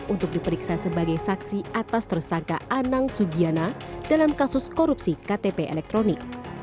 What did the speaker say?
untuk diperiksa sebagai saksi atas tersangka anang sugiana dalam kasus korupsi ktp elektronik